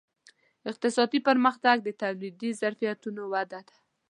اقتصادي پرمختګ د تولیدي ظرفیتونو وده ده.